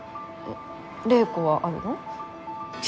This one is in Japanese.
玲子はあるの？